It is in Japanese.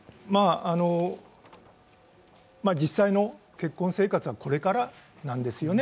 実際の結婚生活はこれからなんですよね。